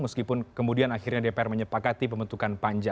meskipun kemudian akhirnya dpr menyepakati pembentukan panja